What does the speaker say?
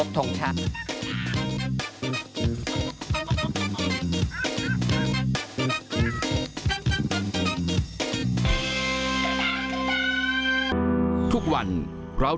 พบจังแล้ว